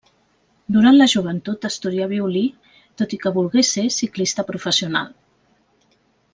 Durant la joventut, estudià violí, tot i que volgué ser ciclista professional.